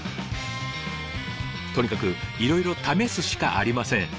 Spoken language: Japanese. とにかくいろいろ試すしかありません。